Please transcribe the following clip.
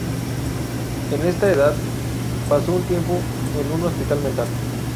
En esta edad pasó un tiempo en un hospital mental.